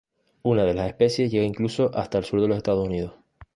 Una de las especies llega incluso hasta el sur de Estados Unidos.